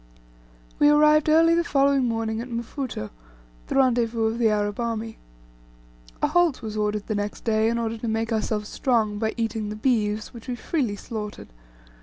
We arrived early the following morning at Mfuto, the rendezvous of the Arab army. A halt was ordered the next day, in order to make ourselves strong by eating the beeves, which we freely slaughtered.